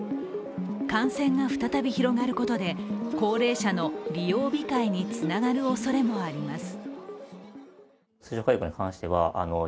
感染が再び広がることで高齢者の利用控えにつながるおそれもあります。